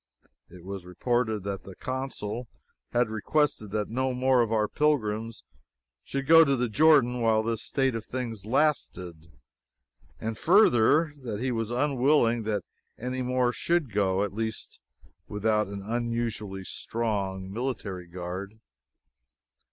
It was reported that the Consul had requested that no more of our pilgrims should go to the Jordan while this state of things lasted; and further, that he was unwilling that any more should go, at least without an unusually strong military guard.